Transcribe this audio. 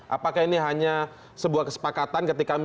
apakah ini hanya sebuah kesepakatan ketika